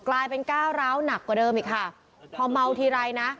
ก้าวร้าวหนักกว่าเดิมอีกค่ะพอเมาทีไรนะ